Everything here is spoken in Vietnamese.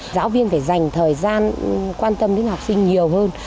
giáo viên phải dành thời gian quan tâm đến học sinh nhiều hơn